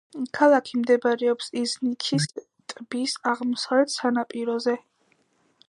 ქალაქი მდებარეობს იზნიქის ტბის აღმოსავლეთ სანაპიროზე.